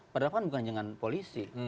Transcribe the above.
pada lapangan bukan dengan polisi